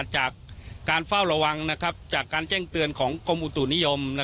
จากการเฝ้าระวังจากการแจ้งเตือนของกรมอุตุนิยม